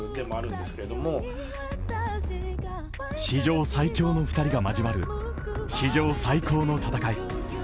史上最強の２人が交わる史上最高の戦い。